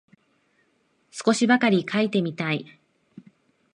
少しばかり書いてみたい